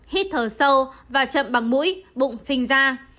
hít thở sâu và chậm bằng mũi bụng phình ra